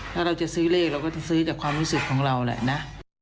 ถ้าเราจะซื้อเลขเราก็จะซื้อแต่ความรู้สึกของเราแหละนะ